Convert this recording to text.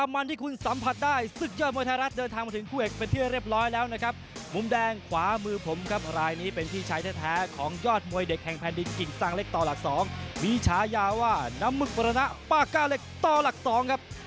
มุมแดงขวามือผมครับรายนี้เป็นที่ใช้แท้ของยอดมวยเด็กแห่งแผ่นดินกิ่งสร้างเล็กต่อหลัก๒มีชายาว่าน้ำมึกบรรณะปากก้าเล็กต่อหลัก๒ครับ